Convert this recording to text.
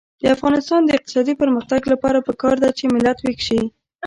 د افغانستان د اقتصادي پرمختګ لپاره پکار ده چې ملت ویښ شي.